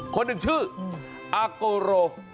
คนหนึ่งชื่ออาโกโร